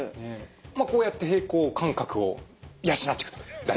まあこうやって平衡感覚を養っていくというのが大事。